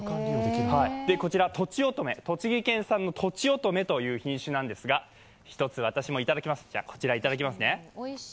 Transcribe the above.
こちら、栃木県産のとちおとめという品種なんですが１つ、私もいただきます。